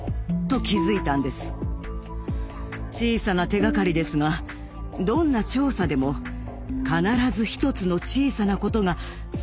小さな手がかりですがどんな調査でも必ず１つの小さなことが全てをつなげます。